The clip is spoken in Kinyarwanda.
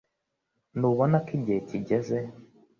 Ntubona ko igihe kigeze